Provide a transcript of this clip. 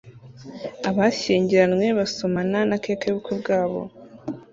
Abashyingiranywe basomana na cake yubukwe bwabo